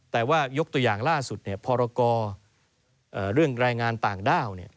แต่ว่ายกตัวอย่างล่าสุดพรกรเรื่องแรงงานต่างด้าว